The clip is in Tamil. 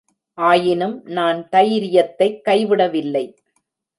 ஆயினும் நான் தைரியத்தைக் கைவிடவில்லை.